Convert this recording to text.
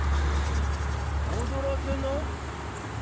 「踊らせな。